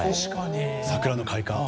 桜の開花。